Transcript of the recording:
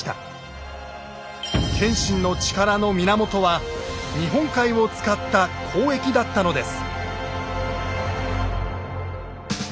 謙信の力の源は日本海を使った交易だったのです。